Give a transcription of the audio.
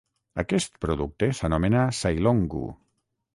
Aquest producte s"anomena "sailonggu".